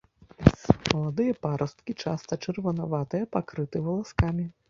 Маладыя парасткі часта чырванаватыя, пакрыты валаскамі.